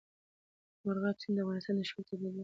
مورغاب سیند د افغانستان د ښکلي طبیعت برخه ده.